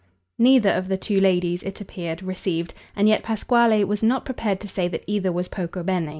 Neither of the two ladies, it appeared, received, and yet Pasquale was not prepared to say that either was poco bene.